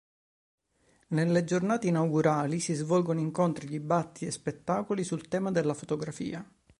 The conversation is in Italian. Nelle giornate inaugurali si svolgono incontri, dibattiti e spettacoli sul tema della fotografia.